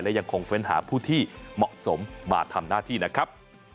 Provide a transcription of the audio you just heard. และยังคงเฟ้นหาผู้ที่เหมาะสมมาทำหน้าที่นะครับ